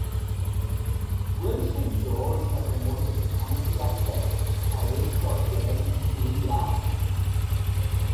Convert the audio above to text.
Bhuail sé George i gcomórtas ceannasaíochta tar éis do Sheán éirí as.